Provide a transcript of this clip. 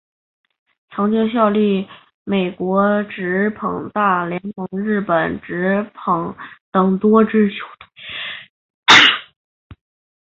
曾经效力美国职棒大联盟日本职棒等多支球队。